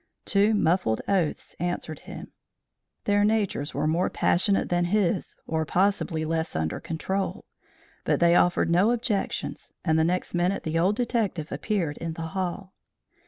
Two muffled oaths answered him; their natures were more passionate than his, or possibly less under control. But they offered no objections, and the next minute the old detective appeared in the hall.